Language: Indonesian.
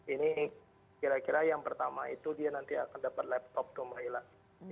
ini kira kira yang pertama itu dia nanti akan dapat laptop tuh mbak ila